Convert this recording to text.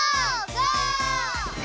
ゴー！